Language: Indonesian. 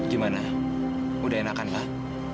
gimana udah enakan kak